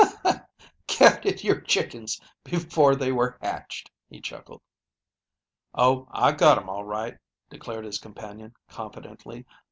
"Counted your chickens before they were hatched," he chuckled. "Oh, I got him all right!" declared his companion confidently.